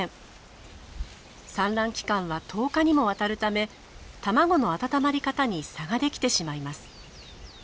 産卵期間は１０日にもわたるため卵の温まり方に差ができてしまいます。